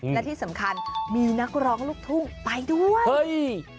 และที่สำคัญมีนักร้องลูกทุ่งไปด้วยเฮ้ย